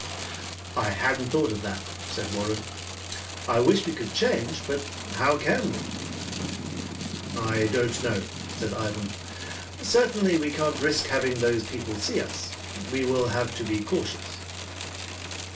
"I hadn't thought of that," said Warren. "I wish we could change, but how can we?" "I don't know," said Ivan. "Certainly we can't risk having those people see us. We will have to be cautious."